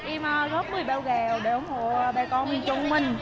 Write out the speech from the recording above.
em góp một mươi bèo gèo để ủng hộ bà con mình chung mình